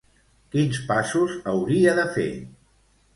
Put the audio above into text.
Quins passos hauria de fer?